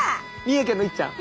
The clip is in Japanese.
三重県のいっちゃん！